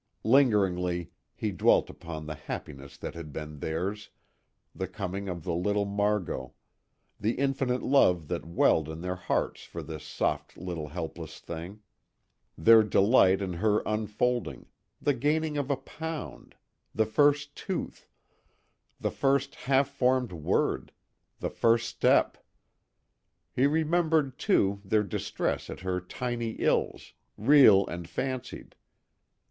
Lingeringly, he dwelt upon the happiness that had been theirs, the coming of the little Margot the infinite love that welled in their hearts for this soft little helpless thing, their delight in her unfolding the gaining of a pound the first tooth the first half formed word the first step. He remembered, too, their distress at her tiny ills, real and fancied.